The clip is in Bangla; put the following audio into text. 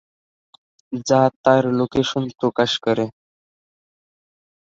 যা তার লোকেশন প্রকাশ করে।